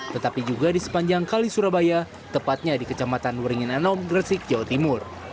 tetapi juga di sepanjang kali surabaya tepatnya di kecamatan weringin anom gresik jawa timur